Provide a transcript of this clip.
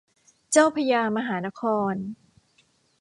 เจ้าพระยามหานคร